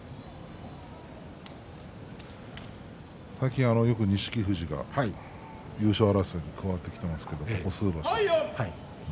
最近よく錦富士が優勝争いに加わってきてますけどここ数場所。